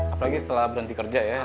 apalagi setelah berhenti kerja ya